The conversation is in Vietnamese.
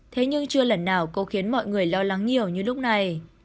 thế nhưng chưa lần nào cô khiến mọi người lo lắng nhiều như lúc này